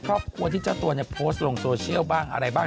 ครอบครัวที่เจ้าตัวเนี่ยโพสต์ลงโซเชียลบ้างอะไรบ้าง